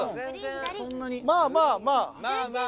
まあまあまあ。